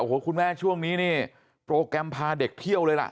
โอ้โหคุณแม่ช่วงนี้นี่โปรแกรมพาเด็กเที่ยวเลยล่ะ